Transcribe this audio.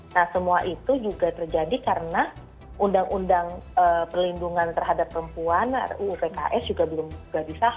nah semua itu juga terjadi karena undang undang perlindungan terhadap perempuan ruu pks juga belum disahkan